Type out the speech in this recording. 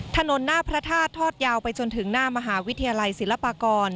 ถนนหน้าพระธาตุทอดยาวไปจนถึงหน้ามหาวิทยาลัยศิลปากร